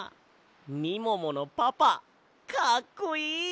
みもものパパかっこいい！